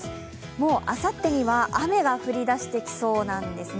もうあさってには雨が降り出してきそうなんですね。